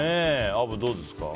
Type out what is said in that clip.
アブ、どうですか？